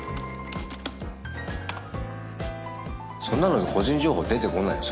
そんなので個人情報は出てこないよ。